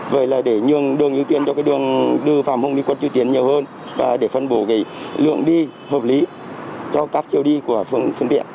vậy là để nhường đường ưu tiên cho cái đường từ phạm hùng đi quận duy tiến nhiều hơn để phân bổ cái lượng đi hợp lý cho các chiều đi của phương tiện